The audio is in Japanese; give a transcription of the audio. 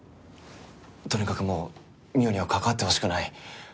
とにかくもう望緒には関わってほしくない。